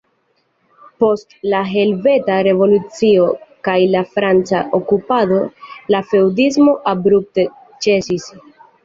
Post la helveta revolucio kaj la franca okupado la feŭdismo abrupte ĉesis.